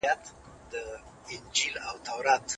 په سپورږمۍ كي زمـا زړه دئ